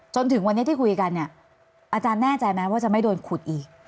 จนถึงวันนี้ที่คุยกันเนี่ยอาจารย์แน่ใจไหมว่าจะไม่โดนขุดอีก